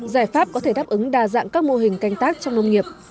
giải pháp có thể đáp ứng đa dạng các mô hình canh tác trong nông nghiệp